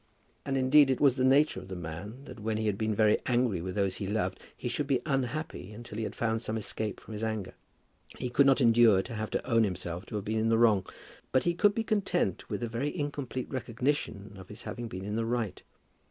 And indeed it was the nature of the man that when he had been very angry with those he loved, he should be unhappy until he had found some escape from his anger. He could not endure to have to own himself to have been in the wrong, but he could be content with a very incomplete recognition of his having been in the right.